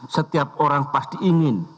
setiap orang pasti ingin